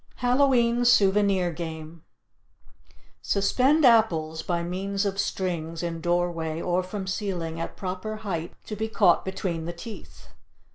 HALLOW E'EN SOUVENIR GAME Suspend apples by means of strings in doorway or from ceiling at proper height to be caught between the teeth.